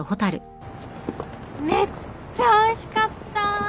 めっちゃおいしかった。